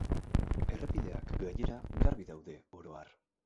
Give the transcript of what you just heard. Errepideak, gainera, garbi daude, oro har.